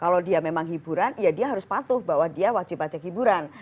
kalau dia memang hiburan ya dia harus patuh bahwa dia wajib pajak hiburan